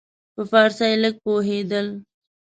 په فارسي لږ پوهېدل.